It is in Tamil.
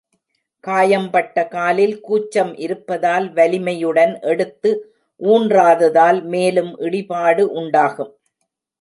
காயம்பட்ட காலில் கூச்சம் இருப்பதால் வலிமையுடன் எடுத்து ஊன்றாததால் மேலும் இடிபாடு உண்டாகும்.